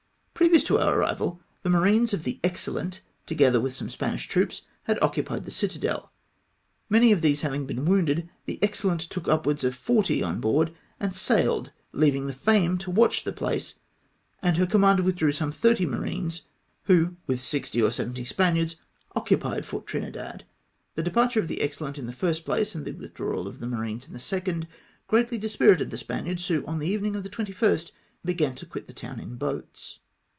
Previous to our arrival the marines of the Excellent, FORT TRINIDAD. 295 together with some Spanish troops, had occupied the citadel. Many of these having been wounded, the Excellent took upwards of forty on board and sailed, leaving the Fame to watch the place, and her com mander withdrew some thirty marines, who, with sixty or seventy Spaniards, occupied Fort Trinidad. The departure of the Excellent in the first place, and the withdrawal of the marines in the second, greatly dis pirited the Spaniards, who on the evening of the 21st began to quit the town in boats.